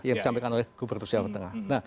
yang disampaikan oleh gubernur jawa tengah